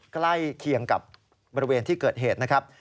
ใกล้เคียงกับบริเวณที่เกิดเหตุนะครับ